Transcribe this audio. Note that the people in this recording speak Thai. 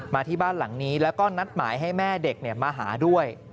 มาที่บ้านหลังนี้แล้วก็นัดหมายให้แม่เด็กมาหาด้วย